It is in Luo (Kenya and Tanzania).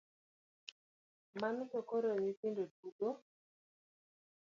Mano to koro nyithindo tugo?